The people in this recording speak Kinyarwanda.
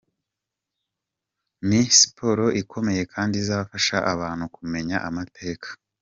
Ni siporo ikomeye kandi izafasha abantu kumenya amateka.